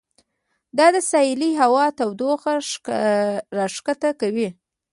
دا د ساحلي هوا تودوخه راښکته کوي.